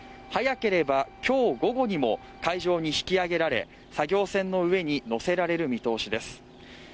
早ければきょう午後にも海上に引き揚げられ作業船の上に載せられる見通しです